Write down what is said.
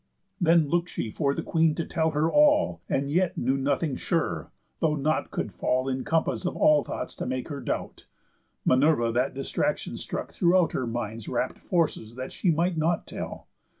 Then look'd she for the Queen to tell her all; And yet knew nothing sure, though nought could fall In compass of all thoughts to make her doubt, Minerva that distraction struck throughout Her mind's rapt forces that she might not tell.